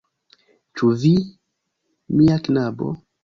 Ĉu vi, mia knabo?